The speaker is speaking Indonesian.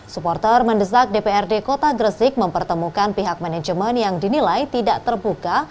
supporter mendesak dprd kota gresik mempertemukan pihak manajemen yang dinilai tidak terbuka